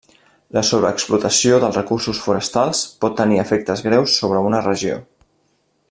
La sobreexplotació dels recursos forestals pot tenir efectes greus sobre una regió.